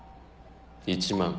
１万。